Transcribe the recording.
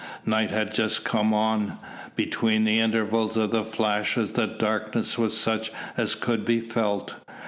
Night had just come on. Between the intervals of the flashes the darkness was such as could be felt.